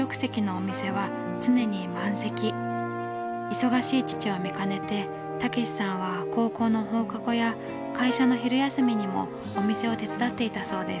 忙しい父を見かねて毅さんは高校の放課後や会社の昼休みにもお店を手伝っていたそうです。